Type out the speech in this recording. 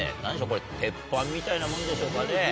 これ鉄板みたいなものでしょうかね？